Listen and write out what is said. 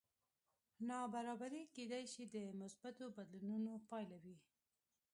نابرابري کېدی شي د مثبتو بدلونونو پایله وي